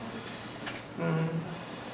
うん。